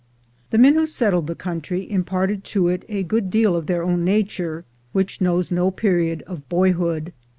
The men who settled the country imparted to it a good deal of their own nature, which knows no period of boj^hood.